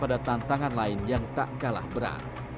ada tantangan lain yang tak kalah berat